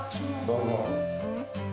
どうぞ。